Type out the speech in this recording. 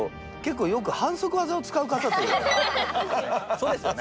そうですね。